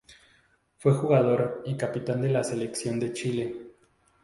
Fue jugador y capitán de la selección de Chile.